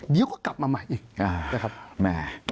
เดี๋ยวก็กลับมาใหม่